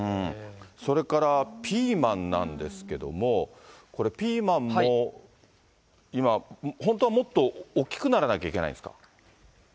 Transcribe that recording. それからピーマンなんですけども、これ、ピーマンも、今、本当はもっと大きくならなきゃいけないんですか？